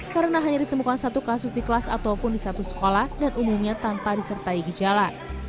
karena hanya ditemukan satu kasus di kelas ataupun di satu sekolah dan umumnya tanpa disertai gejala